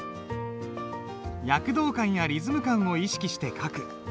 躍動感やリズム感を意識して書く。